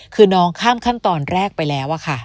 คือน้องข้ามขั้นตอนแรกไปแล้วอะค่ะ